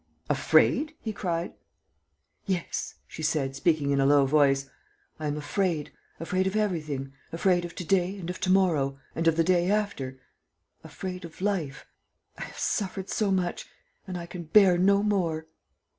"Afraid?" he cried. "Yes," she said, speaking in a low voice, "I am afraid, afraid of everything, afraid of to day and of to morrow ... and of the day after ... afraid of life. I have suffered so much. ... I can bear no more."